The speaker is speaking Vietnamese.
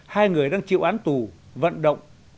hai người đang chịu án tù vận động